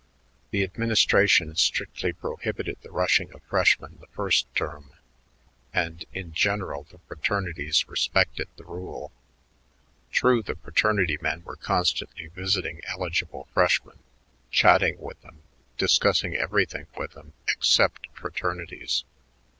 The administration strictly prohibited the rushing of freshmen the first term; and, in general, the fraternities respected the rule. True, the fraternity men were constantly visiting eligible freshmen, chatting with them, discussing everything with them except fraternities.